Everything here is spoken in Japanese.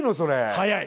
早い。